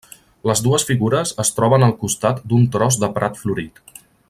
Les dues figures es troben al costat d'un tros de prat florit.